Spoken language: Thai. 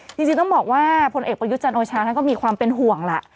จริงต้องบอกว่าพลเอกประยุทธ์จันทร์โอชาท่านก็มีความเป็นห่วงล่ะ